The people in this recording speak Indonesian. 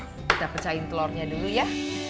kita pecahin telurnya dulu ya